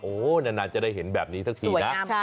นานจะได้เห็นแบบนี้สักทีนะ